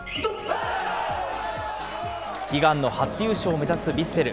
悲願の初優勝を目指すヴィッセル。